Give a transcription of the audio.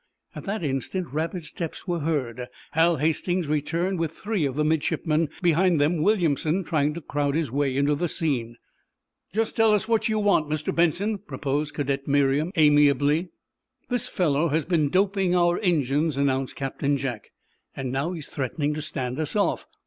At that instant rapid steps were heard. Hal Hastings returned with three of the midshipmen, behind them Williamson trying to crowd his way into the scene. "Just tell us what you want, Mr. Benson," proposed Cadet Merriam, amiably. "This fellow has been 'doping' our engines," announced Captain Jack. "And now he's threatening to stand us off.